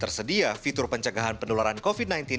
tersedia fitur pencegahan penularan covid sembilan belas